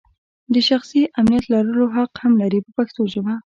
د شخصي امنیت لرلو حق هم لري په پښتو ژبه.